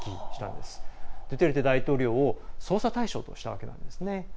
ドゥテルテ大統領を捜査対象としたわけなんですね。